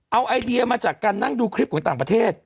เอาไอเดียมาจากการนั่งดูคลิปของต่างประเทศ